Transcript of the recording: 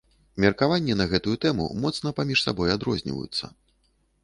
Меркаванні на гэтую тэму моцна паміж сабой адрозніваюцца.